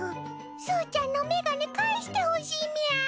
すうちゃんのメガネ返してほしいみゃ！